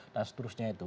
dan seterusnya itu